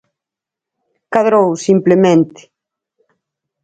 Cadrou, simplemente.